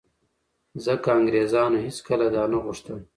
ځکه انګرېزانو هېڅکله دا نه غوښتل